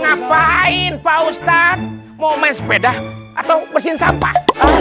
ngapain pak ustadz mau main sepeda atau mesin sampah